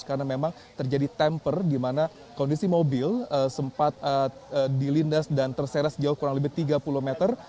karena memang terjadi temper dimana kondisi mobil sempat dilindas dan terseras jauh kurang lebih tiga puluh meter